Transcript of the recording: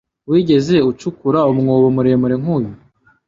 Wigeze ucukura umwobo muremure nkuyu?